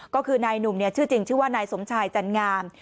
ก็คือนายหนุ่มชื่อจริงชื่อว่านายสมชายจันงาม